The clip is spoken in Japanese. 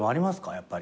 やっぱり。